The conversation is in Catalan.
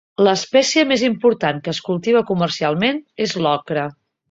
L'espècie més important que es cultiva comercialment és l'ocra.